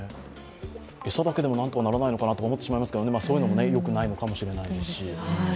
餌だけでも何とかならないのかなと思ってしまいますが、そういうのもよくないのかもしれないし。